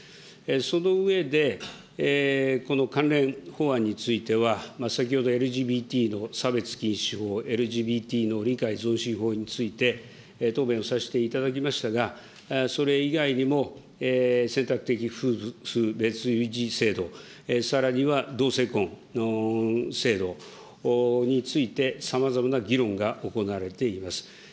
その上で、この関連法案については、先ほどＬＧＢＴの差別禁止法、ＬＧＢＴの理解増進法について、答弁させていただきましたが、それ以外にも選択的夫婦別氏制度、さらには同性婚制度について、さまざまな議論が行われています。